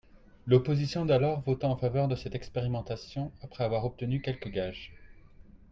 L’opposition d’alors vota en faveur de cette expérimentation après avoir obtenu quelques gages.